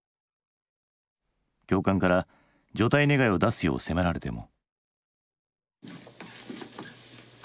教官から除隊願いを出すよう迫られても。